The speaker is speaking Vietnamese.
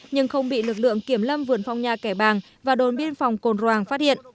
nhưng không bị lực lượng kiểm lâm vườn phong nha kẻ bàng và đồn biên phòng cồn phát hiện